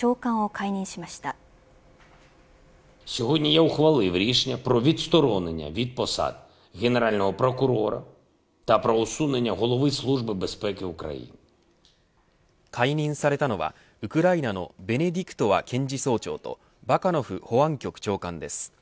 解任されたのはウクライナのベネディクトワ検事総長とバカノフ保安局長官です。